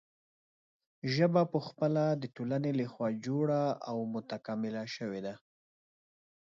ژبه پخپله د ټولنې له خوا جوړه او متکامله شوې ده.